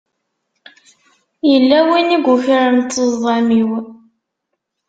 Yella win i yukren ṭṭezḍam-iw.